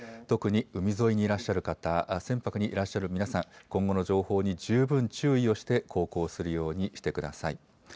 特に海沿いにいらっしゃる方、船舶にいらっしゃる皆さん、今後の情報に十分注意をして航行するようにしてください。